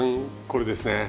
これですね。